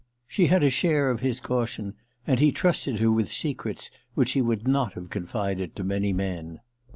She had a share of his caution, and he trusted her with secrets which he would not have confided to many men.